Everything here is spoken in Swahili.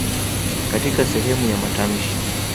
Katika sehemu ya matamshi.